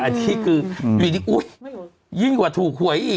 อันที่คืออุ๊ยยิ่งกว่าถูกหวยอีก